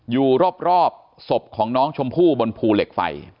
อยู่รอบศพของน้องชมพู่บนภูเหล็กไฟ